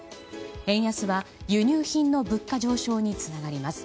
円安は、輸入品の物価上昇につながります。